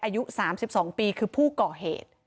อายุ๓๒ปีคือผู้ก่อเหตุ